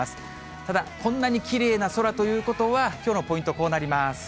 ただ、こんなにきれいな空ということは、きょうのポイント、こうなります。